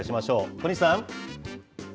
小西さん。